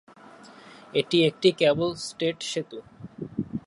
এটি একটি cable stayed সেতু।